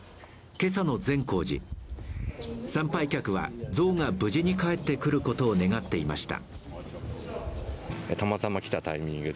今朝の善光寺、参拝客は像が無事に帰ってくることを願っていました。